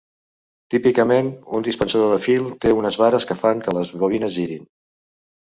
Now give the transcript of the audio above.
Típicament, un dispensador de fil té unes vares que fan que les bobines girin.